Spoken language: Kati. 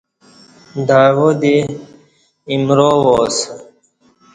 دعوا دی ایمرا وااسہ